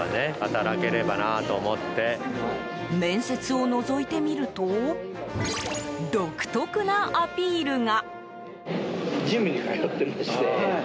面接をのぞいてみると独特なアピールが。